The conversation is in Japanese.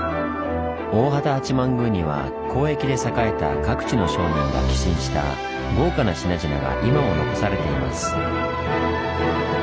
大畑八幡宮には交易で栄えた各地の商人が寄進した豪華な品々が今も残されています。